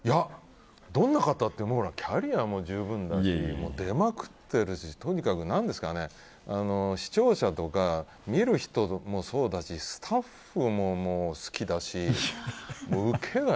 どんな方ってキャリアも十分だし出まくってるしとにかく視聴者とか見る人もそうだしスタッフも好きだし。